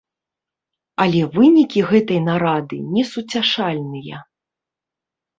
Але вынікі гэтай нарады несуцяшальныя.